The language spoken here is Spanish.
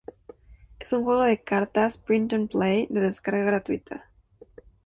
Es un juego de cartas print’n’play de descarga gratuita.